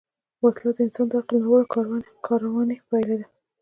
وسله د انسان د عقل ناوړه کارونې پایله ده